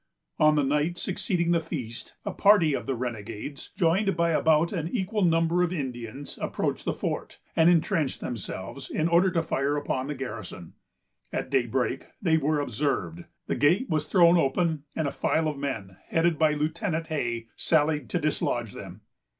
On the night succeeding the feast, a party of the renegades, joined by about an equal number of Indians, approached the fort, and intrenched themselves, in order to fire upon the garrison. At daybreak, they were observed, the gate was thrown open, and a file of men, headed by Lieutenant Hay, sallied to dislodge them.